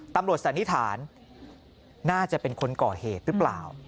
ตำรวจสันนิษฐานน่าจะเป็นคนก่อเหตุรึเปล่า